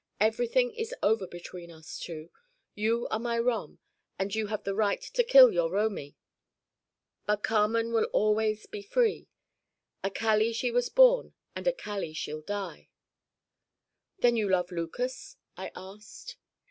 Everything is over between us two. You are my rom and you have the right to kill your romi, but Carmen will always be free. A calli she was born and a calli she'll die." "Then you love Lucas?" I asked.